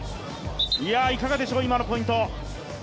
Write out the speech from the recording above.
いかがでしょう、今のポイント？